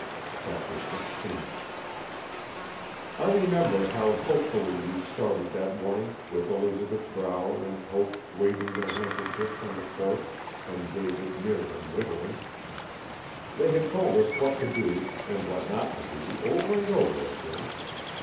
Chapter 16 I remember how hopefully we started that morning with Elizabeth Brower and Hope waving their handkerchiefs on the porch and David near them whittling. They had told us what to do and what not to do over and over again.